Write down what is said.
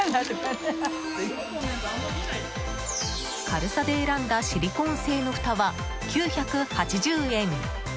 軽さで選んだシリコン製のふたは９８０円。